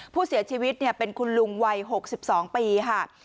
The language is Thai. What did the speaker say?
ผู้เสียชีวิตเนี่ยเป็นคุณลุงวัยหกสิบสองปีค่ะ